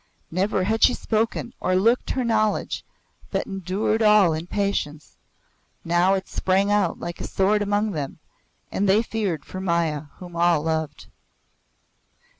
Never had she spoken or looked her knowledge but endured all in patience. Now it sprang out like a sword among them, and they feared for Maya, whom all loved.